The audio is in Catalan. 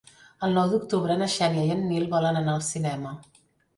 El nou d'octubre na Xènia i en Nil volen anar al cinema.